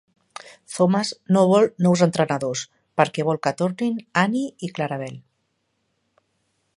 Thomas no vol nous entrenadors perquè vol que tornin Annie i Clarabel.